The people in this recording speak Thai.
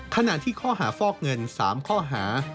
ขณะที่ข้อหาฟอกเงิน๓ข้อหา